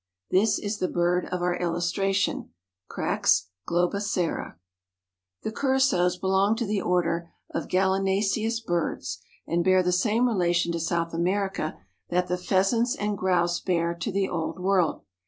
This is the bird of our illustration (Crax globicera). The Curassows belong to the order of Gallinaceous birds and bear the same relation to South America that the pheasants and grouse bear to the Old World.